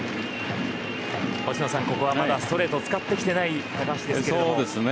星野さん、ここはまだストレートを使ってきてない高橋ですけど。